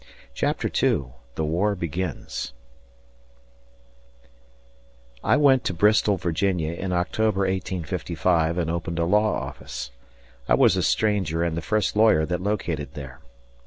] CHAPTER II THE WAR BEGINS I WENT to Bristol, Virginia, in October, 1855, and opened a law office. I was a stranger and the first lawyer that located there.